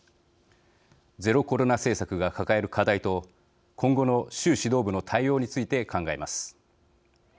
ゼロコロナ政策が抱える課題と今後の習指導部の対応について考えます。